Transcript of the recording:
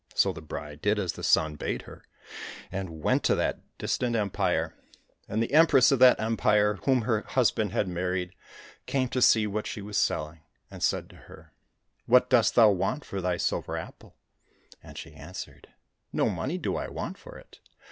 So the bride did as the Sun bade her, and went to that distant 201 COSSACK FAIRY TALES empire, and the Empress of that empire, whom her husband had married, came to see what she was selling, and said to her, " What dost thou want for thy silver apple ?" And she answered, " No money do I want for it.